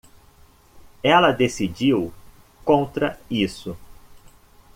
ela decidiu contra isso.